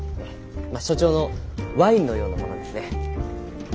所長のワインのようなものですね。